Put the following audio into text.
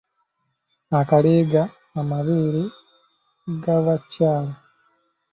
Akaleega amabeere g'abakyala.